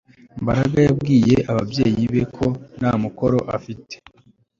Mbaraga yabwiye ababyeyi be ko nta mukoro afite